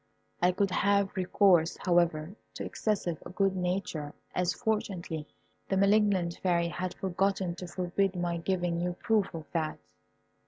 I could have recourse, however, to excessive good nature, as, fortunately, the malignant Fairy had forgotten to forbid my giving you proof of that.